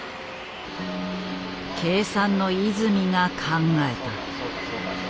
計算の和泉が考えた。